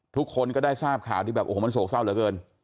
ทุกคนก็ได้ทราบข่าวที่แบบโอ้โหมันโศกเศร้าเหลือเกิน